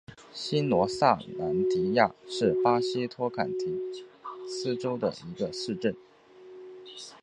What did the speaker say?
新罗萨兰迪亚是巴西托坎廷斯州的一个市镇。